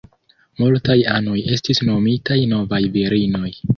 Multaj anoj estis nomitaj "Novaj Virinoj".